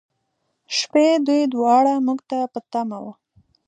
شپې، دوی دواړه موږ ته په تمه و.